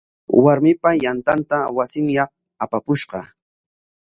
Warmipa yantanta wasinyaq apapushqa.